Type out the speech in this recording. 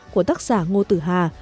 của tác giả ngô tử hà